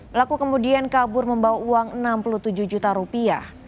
pelaku kemudian kabur membawa uang enam puluh tujuh juta rupiah